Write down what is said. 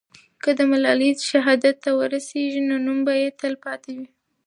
که ملالۍ شهادت ته ورسېږي، نو نوم به یې تل پاتې وي.